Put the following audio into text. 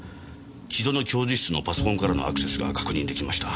城戸の教授室のパソコンからのアクセスが確認できました。